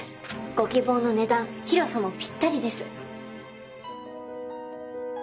ご希望の値段広さもぴったりです。